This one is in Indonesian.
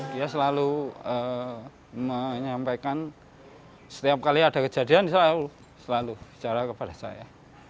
dia selalu menyampaikan setiap kali ada kejadian selalu bicara kepada saya